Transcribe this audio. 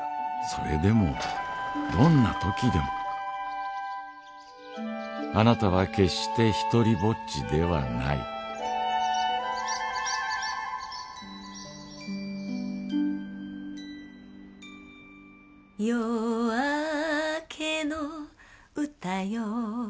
それでもどんな時でもあなたは決してひとりぼっちではない夜明けのうたよ